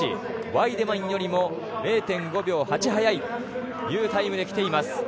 ワイデマンよりも０．５秒８早いというタイムできています。